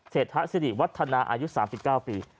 เศรษฐศิริวัฒนาอายุ๓๙ปี